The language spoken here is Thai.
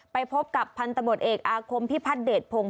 ไปพบกับพันธบทเอกอาคมพิพัฒนเดชพงศ